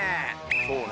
そうね